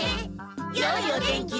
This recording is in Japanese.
よいお天気で。